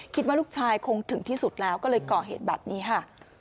คิดว่าลูกชายคงถึงที่สุดแล้วก็เลยก่อเหตุแบบนี้ค่ะ